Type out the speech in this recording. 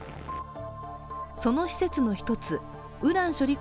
その施設の１つ、ウラン処理